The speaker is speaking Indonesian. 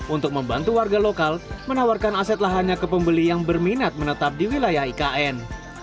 untuk membantu warga lokal menawarkan aset lahannya ke pembeli yang berminat menetap di wilayah ikn